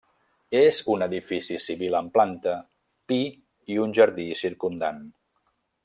És un edifici civil amb planta, pi i un jardí circumdant.